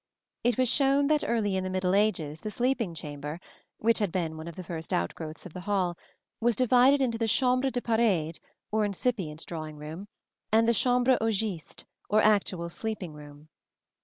It was shown that early in the middle ages the sleeping chamber, which had been one of the first outgrowths of the hall, was divided into the chambre de parade, or incipient drawing room, and the chambre au giste, or actual sleeping room.